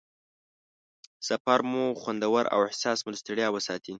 سفر مو خوندور او احساس مو له ستړیا وساتي.